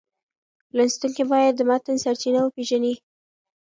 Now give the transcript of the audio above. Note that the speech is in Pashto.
لوستونکی باید د متن سرچینه وپېژني.